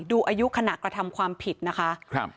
ดูอายุขณะกระทำความผิดนะคะ